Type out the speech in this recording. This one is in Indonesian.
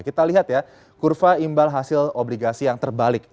kita lihat ya kurva imbal hasil obligasi yang terbalik